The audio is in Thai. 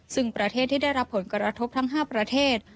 ซึ่งประเทศที่ได้รับผลกระทบทั้ง๕ประเทศ